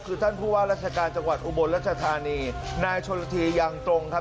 คือท่านผู้ว่าราชการจังหวัดอุบลรัชธานีนายชนละทียังตรงครับ